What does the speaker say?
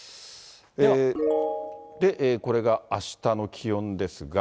で、これがあしたの気温ですが。